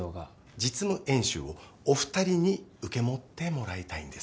実務演習をお二人に受け持ってもらいたいんです。